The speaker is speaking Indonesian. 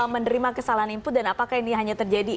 menerima kesalahan input dan apakah ini hanya terjadi